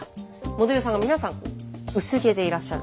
モデルさんが皆さん薄毛でいらっしゃる。